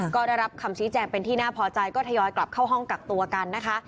ก็ได้รับคำชี้แจงเป็นที่น่าพอใจก็ทยอยกลับเข้าห้องกักตัวกันนะคะ